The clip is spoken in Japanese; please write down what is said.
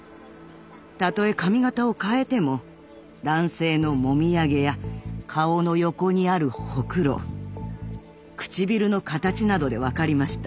たとえ髪形を変えても男性のもみあげや顔の横にあるほくろ唇の形などで分かりました。